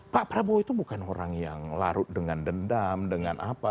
pak prabowo itu bukan orang yang larut dengan dendam dengan apa